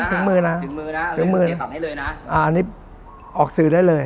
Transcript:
ถึงมือนะถึงมือนะถึงมือเนี่ยตอบให้เลยนะอ่านี่ออกสื่อได้เลย